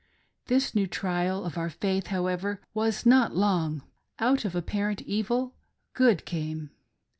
This new trial of our faith, however, was not long ; out of apparent evil, good came.